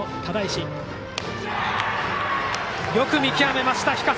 よく見極めました、日笠。